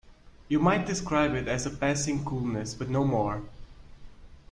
You might describe it as a passing coolness, but no more.